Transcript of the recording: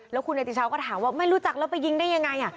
แล้วคุณเนติชาวก็ถามว่าไม่รู้จักแล้วไปยิงได้ยังไง